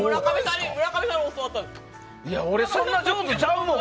俺、そんな上手ちゃうもん！